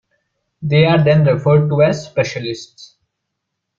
They are then referred to as "Specialists".